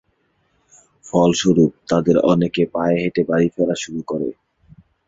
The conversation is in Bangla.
ফলস্বরূপ, তাদের অনেকে পায়ে হেটে বাড়ি ফেরা শুরু করে।